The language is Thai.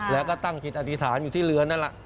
แล้วก็ตั้งจิตอธิษฐานอยู่ที่เรือนั่นแหละ